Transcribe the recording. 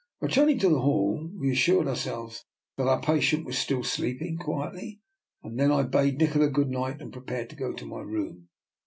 Returning to the hall, we assured ourselves that our patient was still sleeping quietly, and then I bade Nikola good night, and prepared to go to my room.